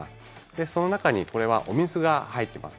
で、その中にこれはお水が入っています。